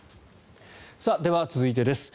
では続いてです。